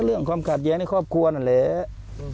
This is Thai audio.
เรื่องความขัดแย้งในครอบครัวนั่นแหละ